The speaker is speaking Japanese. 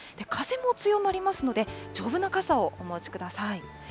風も強まりますので、丈夫な傘をお持ちください。